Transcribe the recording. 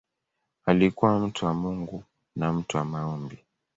Alikuwa mtu wa Mungu na mtu wa maombi.